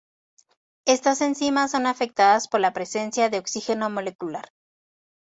Estas enzimas son afectadas por la presencia de Oxígeno molecular.